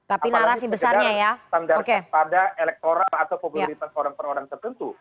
apalagi sekedar standar pada elektoral atau popularitas orang per orang tertentu